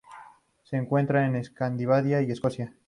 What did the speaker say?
Se encuentra en Escandinavia y Escocia.